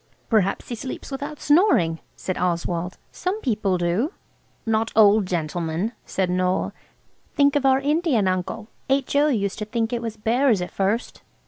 "Perhaps he sleeps without snoring," said Oswald, "some people do." "Not old gentlemen," said Noël; "think of our Indian uncle–H.O. used to think it was bears at first."